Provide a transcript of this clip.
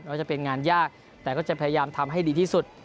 ว่าจะเป็นงานยากแต่ก็จะพยายามทำให้ดีที่สุด